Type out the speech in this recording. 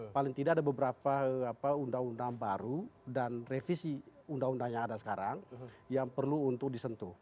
paling tidak ada beberapa undang undang baru dan revisi undang undang yang ada sekarang yang perlu untuk disentuh